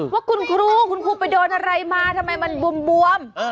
ว่าคุณครูคุณครูไปโดนอะไรมาทำไมมันบวม